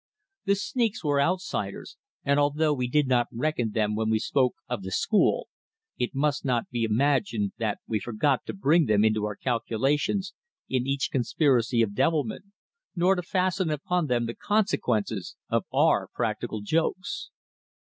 The sneaks were outsiders, and although we did not reckon them when we spoke of "the school," it must not be imagined that we forgot to bring them into our calculations in each conspiracy of devilment, nor to fasten upon them the consequences of our practical jokes.